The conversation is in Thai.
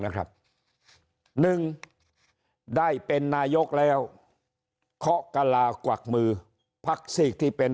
นะครับหนึ่งได้เป็นนายกแล้วเคาะกะลากวักมือพักซีกที่เป็น